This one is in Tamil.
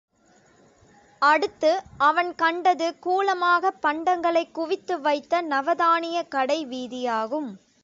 அடுத்து அவன் கண்டது கூலமாகப் பண்டங்களைக் குவித்துவைத்த நவதானியக் கடை வீதியாகும்.